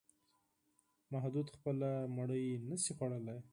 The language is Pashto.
محمود خپله ډوډۍ نشي خوړلی